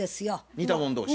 似たもん同士。